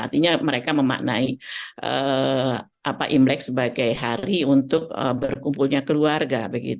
artinya mereka memaknai imlek sebagai hari untuk berkumpulnya keluarga